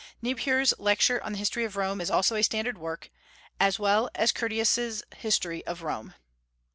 Niebuhr's Lectures on the History of Rome is also a standard work, as well as Curtius's History of Rome.